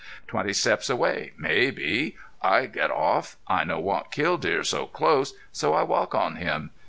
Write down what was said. Twenty steps away maybe. I get off. I no want kill deer so close, so I walk on him.